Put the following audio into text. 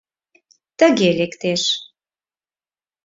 — Тыге лектеш.